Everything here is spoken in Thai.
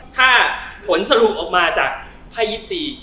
ถ้าผลสรุปออกมาจากไพ่๒๔